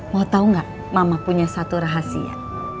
mau tau gak mama punya satu rahasia